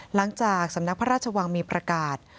หลังจากสำนักพระราชวังมีประกาศ